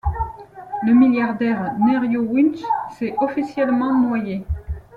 Le milliardaire Nerio Winch s'est officiellement noyé.